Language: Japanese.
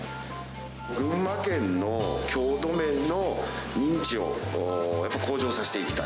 群馬県の郷土麺の認知を向上させていきたい。